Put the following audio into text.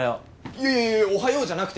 いやいやいやおはようじゃなくて。